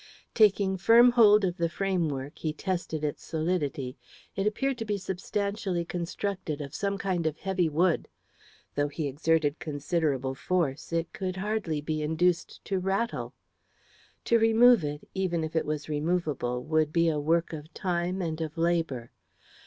Taking firm hold of the framework, he tested its solidity; it appeared to be substantially constructed of some kind of heavy wood. Though he exerted considerable force, it could hardly be induced to rattle. To remove it, even if it was removable, would be a work of time and of labour.